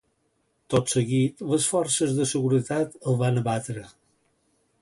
Tot seguit, les forces de seguretat el van abatre.